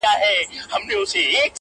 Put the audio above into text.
چي خداى ئې در کوي، بټل ئې يار دئ.